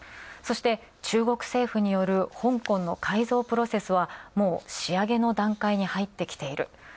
そして中国政府による香港の改造プロセスは、もう仕上げの段階に入ってきている。